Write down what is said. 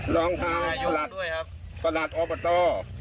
ล้องทางประหลาดประหลาดออปเตอร์